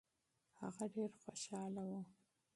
هغه ډېر خوشاله و.